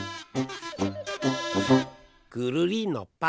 くるりんのぱ。